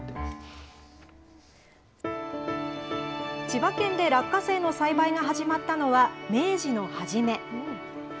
千葉県で落花生の栽培が始まったのは、明治の初め。